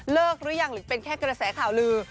หรือยังหรือเป็นแค่กระแสข่าวลือ